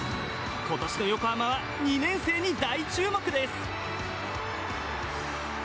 ことしの横浜は２年生に大注目です！